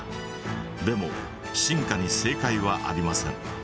でも進化に正解はありません。